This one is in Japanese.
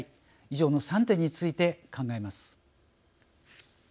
以上３点について考えます。